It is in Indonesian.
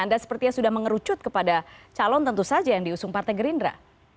anda sepertinya sudah mengerucut kepada calon tentu saja yang diusung partai gerindra